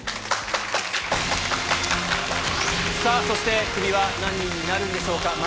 そしてクビは何人になるんでしょうか。